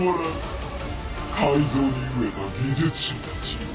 改造に飢えた技術者たちよ